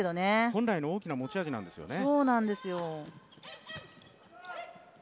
本来の大きな持ち味なんですけどね。